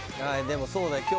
ああでもそうだ。